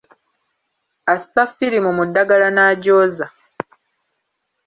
Assa ffirimu mu ddagala n'agyoza.